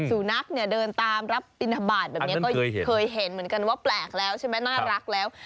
สุนัขเนี่ยเดินตามรับบินทบาทแบบนี้ก็เคยเห็นเหมือนกันว่าแปลกแล้วใช่ไหมน่ารักแล้ว